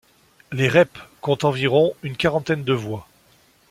Les Rêpes comptent environ une quarantaine de voies.